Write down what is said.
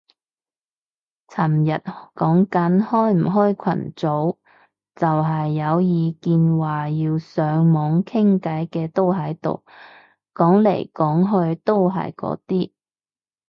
尋日講緊開唔開群組，就係有意見話要上網傾偈嘅都係毒，講嚟講去都係嗰啲